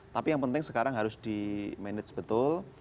tapi yang penting sekarang harus di manage betul